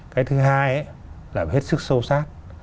cái thứ hai là phải hết sức sâu sát